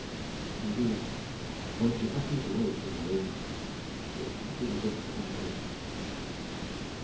Indeed, when she happened to wake in the moonlight she could hardly resist the temptation.